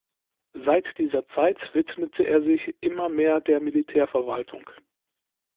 Seit dieser Zeit widmete er sich immer mehr der Militärverwaltung.